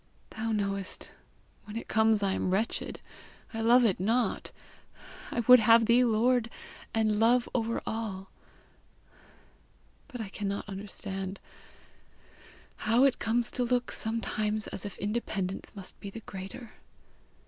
Thou knowest, when it comes I am wretched. I love it not. I would have thee lord and love over all. But I cannot understand: how comes it to look sometimes as if independence must be the greater?